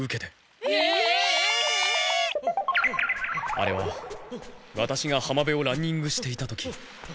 あれはワタシが浜辺をランニングしていた時。